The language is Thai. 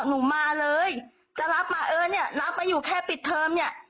หนูมาเลยจะรับมาเออเนี่ยรับมาอยู่แค่ปิดเทอมเนี่ย